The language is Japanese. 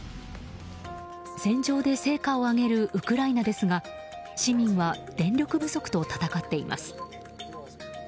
戦場で成果を上げるウクライナですが市民は電力不足と戦っています。